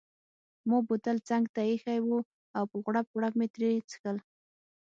ما بوتل څنګته ایښی وو او په غوړپ غوړپ مې ترې څیښل.